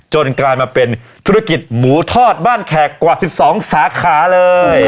กลายมาเป็นธุรกิจหมูทอดบ้านแขกกว่า๑๒สาขาเลย